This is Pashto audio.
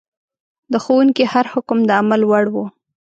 د ښوونکي هر حکم د عمل وړ و.